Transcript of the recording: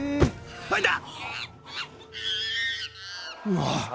もう！